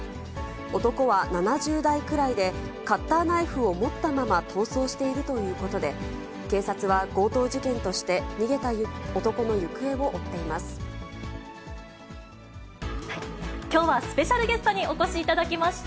男は７０代くらいで、カッターナイフを持ったまま、逃走しているということで、警察は強盗事件として、きょうはスペシャルゲストにお越しいただきました。